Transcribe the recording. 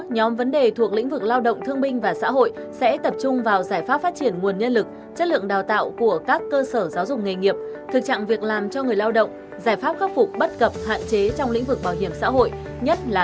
nhóm vấn đề thứ ba thuộc lĩnh vực khoa học và công nghệ liên quan đến việc ứng dụng khoa học công nghệ quốc gia